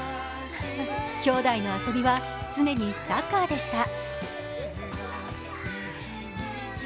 きょうだいの遊びは、常にサッカーでした。